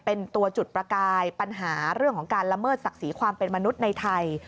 เป็นตัวจุดประกายปัญหาเรื่องของการละเมิดศักดิ์ศรีความเป็นมนุษย์ในไทย